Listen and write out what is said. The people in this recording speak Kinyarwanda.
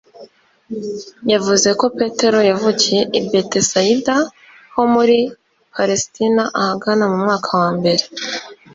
yavuze ko petero yavukiye i bethsaïda ho muri palestina ahagana mu mwaka wa mbere